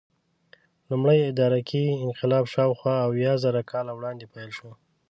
لومړی ادراکي انقلاب شاوخوا اویازره کاله وړاندې پیل شو.